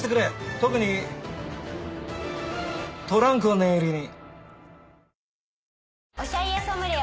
特にトランクを念入りに。